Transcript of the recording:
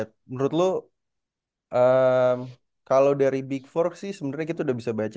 kita kan udah bisa ngelihat menurut lu kalau dari big fork sih sebenarnya kita udah bisa baca